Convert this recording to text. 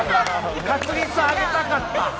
確率上げたかった。